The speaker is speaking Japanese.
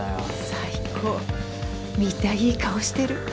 最高みんないい顔してる。